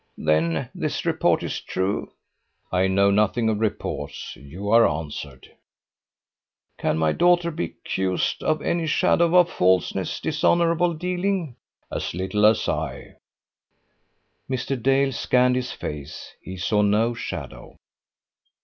"Then this report is true?" "I know nothing of reports. You are answered." "Can my daughter be accused of any shadow of falseness, dishonourable dealing?" "As little as I." Mr. Dale scanned his face. He saw no shadow.